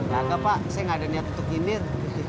gak ada pak saya gak ada niat untuk ngindir